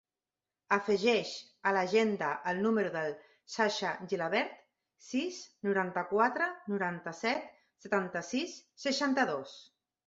Afegeix a l'agenda el número del Sasha Gilabert: sis, noranta-quatre, noranta-set, setanta-sis, seixanta-dos.